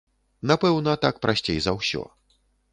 Напэўна, так прасцей за ўсё.